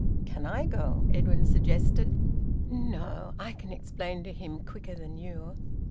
"Can I go?" Edwin suggested. "No. I can explain to him quicker than you."